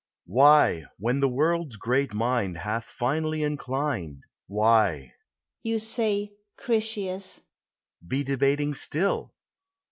"Why, when the world's great mind Hath finally inclined, Why," you say, Critias, " be debating still